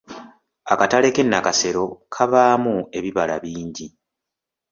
Akatale k’e Nakasero kabaamu ebibala bingi.